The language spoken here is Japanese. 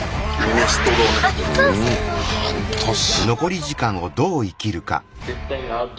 半年。